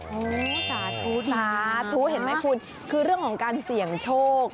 โอ้โหสาธุสาธุเห็นไหมคุณคือเรื่องของการเสี่ยงโชค